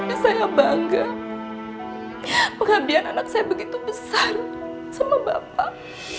ya saya bangga pengabdian anak saya begitu besar sama bapak